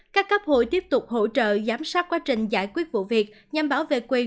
các cấp hội tiếp tục hỗ trợ giám sát quá trình giải quyết vụ việc nhằm bảo vệ quyền